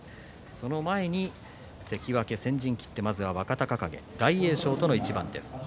その前に関脇先陣を切ってまずは若隆景、大栄翔との一番です。